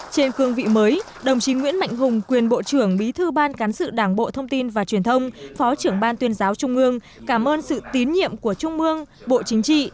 trên cương vị mới đồng chí nguyễn mạnh hùng quyền bộ trưởng bí thư ban cán sự đảng bộ thông tin và truyền thông phó trưởng ban tuyên giáo trung ương cảm ơn sự tín nhiệm của trung ương bộ chính trị